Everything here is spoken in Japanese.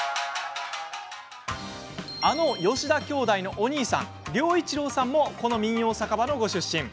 あの吉田兄弟のお兄さん良一郎さんもこの民謡酒場のご出身。